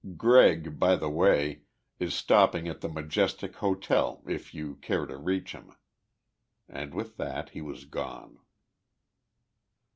Gregg, by the way, is stopping at the Majestic Hotel, if you care to reach him," and with that he was gone.